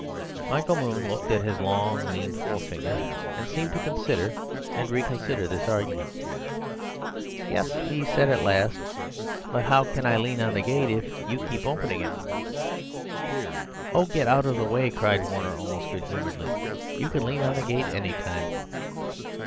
Michael Moon looked at his long lean forefinger, and seemed to consider and reconsider this argument. "Yes," he said at last; "but how can I lean on this gate if you keep on opening it?" "Oh, get out of the way!" cried Warner, almost good humouredly. "You can lean on the gate any time."